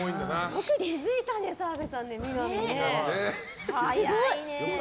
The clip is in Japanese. よく気づいたね、澤部さんみなみ。